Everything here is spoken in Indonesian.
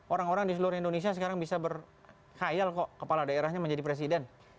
orang orang di seluruh indonesia sekarang bisa berkhayal kok kepala daerahnya menjadi presiden